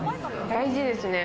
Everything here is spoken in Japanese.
大事ですね。